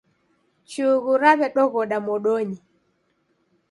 Chughu raw'edoghoda modonyi.